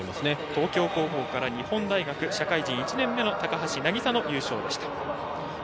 東京高校から日本大学社会人１年目の高橋渚の優勝でした。